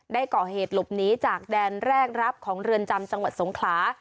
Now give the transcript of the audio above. ได้ก่อเหตุหลบหนีจากแดนแรกรับของเรือนจำจังหวัดสงขลา